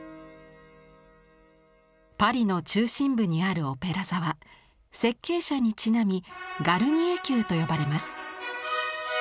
パリの中心部にあるオペラ座は設計者にちなみ「ガルニエ宮」と呼ばれます。